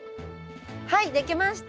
はい出来ました！